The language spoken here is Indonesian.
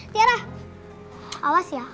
tiara awas ya